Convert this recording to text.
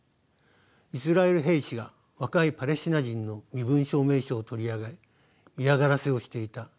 「イスラエル兵士が若いパレスチナ人の身分証明書を取り上げ嫌がらせをしていた。